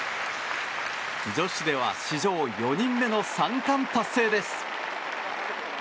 女子では史上４人目の３冠達成です。